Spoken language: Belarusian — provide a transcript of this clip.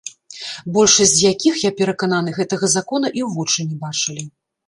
Большасць з якіх, я перакананы, гэтага закона і ў вочы не бачылі.